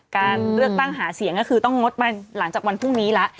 การเลือกตั้งหาเสียงก็คือต้องงดมาหลังจากวันพรุ่งนี้แล้ว